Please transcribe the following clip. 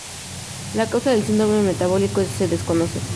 La causa del síndrome metabólico se desconoce.